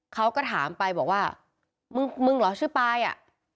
เขาก็ถามไปบอกว่ามึงมึงเหรอชื่อปลายอ่ะ